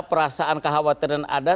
perasaan kekhawatiran ada